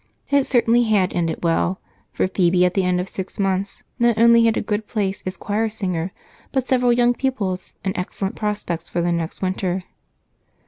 It certainly had ended well, for Phebe at the end of six months not only had a good place as choir singer but several young pupils and excellent prospects for the next winter.